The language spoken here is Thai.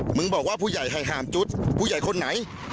มึงบอกว่าผู้ใหญ่ให้ห้ามจุดผู้ใหญ่คนไหน